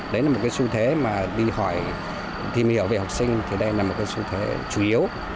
đấy là một cái xu thế mà đi hỏi tìm hiểu về học sinh thì đây là một cái xu thế chủ yếu